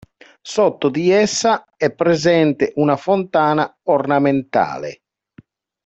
Sotto di essa è presente una fontana ornamentale.